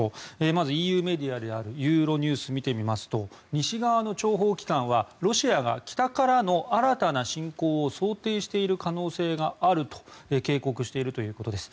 まずＥＵメディアであるユーロニュースを見てみますと西側の諜報機関はロシアが北からの新たな侵攻を想定している可能性があると警告しているということです。